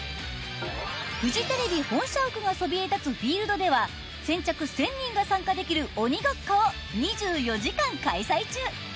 フジテレビ本社屋がそびえ立つフィールドでは先着１０００人が参加できる鬼ごっこを２４時間開催中。